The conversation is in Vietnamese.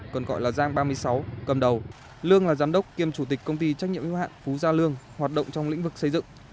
còn gọi là giang ba mươi sáu cầm đầu lương là giám đốc kiêm chủ tịch công ty trách nhiệm yêu hạn phú gia lương hoạt động trong lĩnh vực xây dựng